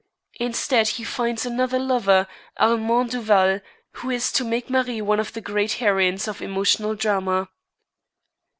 Instead he finds another lover, Armand Duval, who is to make Marie one of the great heroines of emotional drama.